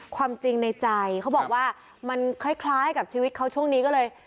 ความจริงในใจเขาบอกว่ามันคล้ายกับชีวิตเขาช่วงนี้ก็เลย